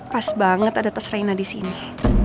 pas banget ada tas reina disini